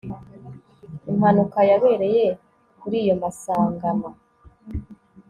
Impanuka yabereye kuri iyo masangano